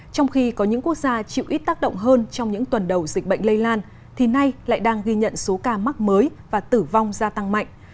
trong khi có những quốc gia chịu ít tác động hơn trong những tuần đầu dịch bệnh lây lan thì nay lại đang ghi nhận số ca mắc mới và tử vong gia tăng mạnh